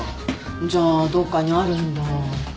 じゃあどっかにあるんだ。